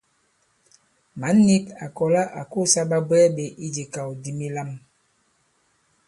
Mǎn nīk à kɔ̀la à kosā ɓabwɛɛ ɓē ijē ikàw di milām.